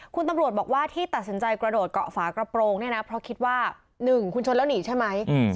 คุณตำรวจบอกว่าที่ตัดสินใจกระโดดเกาะฝากระโปรงเนี่ยนะเพราะคิดว่า๑คุณชนแล้วหนีใช่ไหม